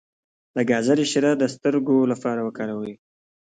د ګازرې شیره د سترګو لپاره وکاروئ